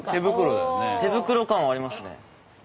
手袋感ありますね。